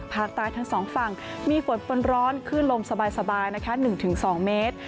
ภาคใต้ทั้งสองฝั่งมีฝนปนร้อนขึ้นลมสบายนะคะ๑๒เมตร